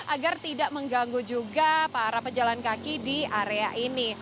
agar tidak mengganggu juga para pejalan kaki di area ini